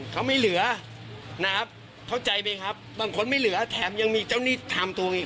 เขาไม่เหลือนะครับเข้าใจไหมครับบางคนไม่เหลือแถมยังมีเจ้าหนี้ทำถูกอีก